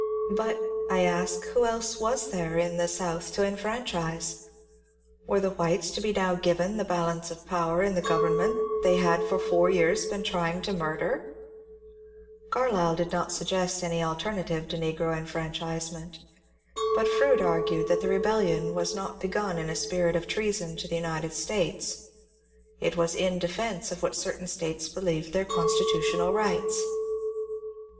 But, I asked, who else was there Jn the South to enfranchise ? Were the whites to be now given the balance of power in the government they had for four years been trying to murder ? Carlyle did not suggest any alter native to negro enfranchisement. But Froude argued that the rebellion was not begun in a spirit of treason to the United States. It was in defence of what certain States believed their constitutional rights.